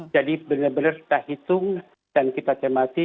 jadi benar benar kita hitung dan kita cermati